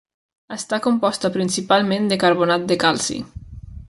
Està composta principalment de carbonat de calci.